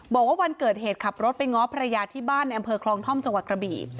บอกว่าวันเกิดเหตุขับรถไปง้อภรรยาที่บ้านในอำเภอคลองท่อมจังหวัดกระบี่